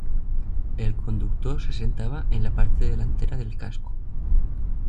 El conductor se sentaba en la parte delantera del casco.